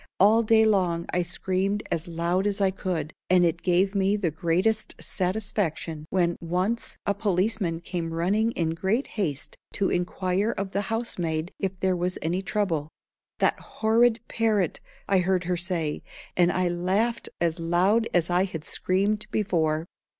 All day long I screamed as loud as I could, and it gave me the greatest satisfaction when once a policeman came running in great haste to inquire of the house maid if there was any trouble. "That horrid parrot!" I heard her say, and I laughed as loud as I had screamed before.